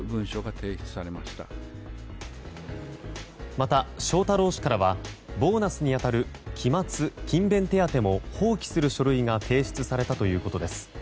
また、翔太郎氏からはボーナスに当たる期末・勤勉手当も放棄する書類が提出されたということです。